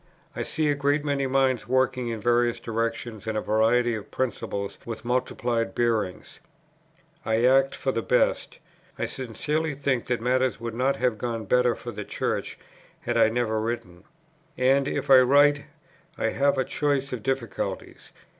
I see a great many minds working in various directions and a variety of principles with multiplied bearings; I act for the best. I sincerely think that matters would not have gone better for the Church, had I never written. And if I write I have a choice of difficulties.